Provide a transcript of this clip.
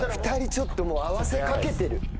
２人ちょっともう合わせかけてる。